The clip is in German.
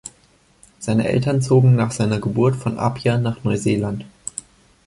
Seine Eltern zogen nach seiner Geburt von Apia nach Neuseeland.